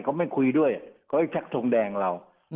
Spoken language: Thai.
เขาไม่คุยด้วยเขาให้ชักทงแดงเรา